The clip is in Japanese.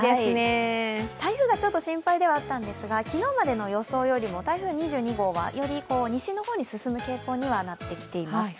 台風がちょっと心配ではあったんですが、昨日までの予想よりも台風２２号が西の方に向かう傾向にはなっています。